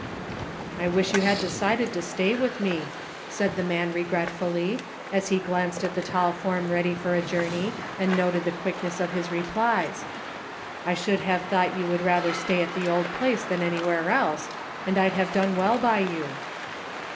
" I wish you had decided to stay with me," said the man regretfully, as he glanced at the tall form ready for a journey, and noted the quickness of his replies :" I should have thought you would HAPPENINGS. 185 rather stay at the old place than anywhere else, and I'd have done well by you."